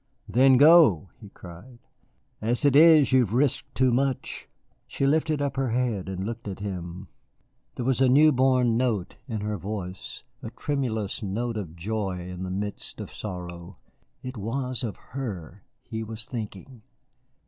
"Then go," he cried. "As it is you have risked too much." She lifted up her head and looked at him. There was a new born note in her voice, a tremulous note of joy in the midst of sorrow. It was of her he was thinking!